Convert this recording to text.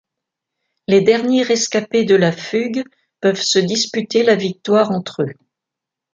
Les derniers rescapés de la fugue peuvent se disputer la victoire entre eux.